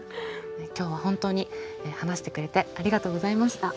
今日は本当に話してくれてありがとうございました。